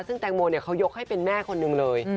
ซึ่งแตงโมเขายกให้เป็นแม่คนหนึ่งเลย